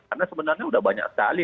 karena sebenarnya sudah banyak sekali